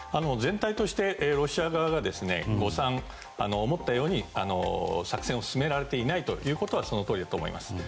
全体としてロシア側が誤算思ったように作戦を進められていないことはそのとおりだと思います。